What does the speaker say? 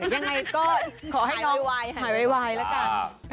อย่างไรก็ขอให้น้องหายวายละกัน